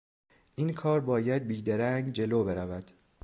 این کار باید بیدرنگ جلو برود.